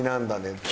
って。